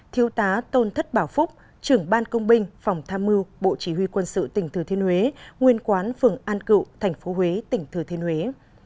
tám thiếu tá tôn thất bảo phúc trưởng ban công binh phòng tham mưu bộ chỉ huy quân sự tỉnh thừa thiên huế nguyên quán phường an cựu tp huế tỉnh thừa thiên huế